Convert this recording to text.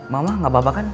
mama enggak apa apa kan